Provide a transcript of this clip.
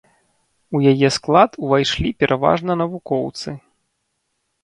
У яе склад увайшлі пераважна навукоўцы.